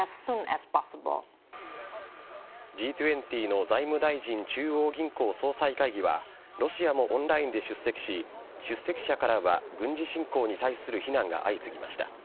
Ｇ２０の財務大臣・中央銀行総裁会議はロシアもオンラインで出席し出席者からは軍事侵攻に対する非難が相次ぎました。